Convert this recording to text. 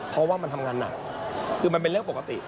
เพราะว่ามันทำงานหนักคือมันเป็นเรื่องปกติ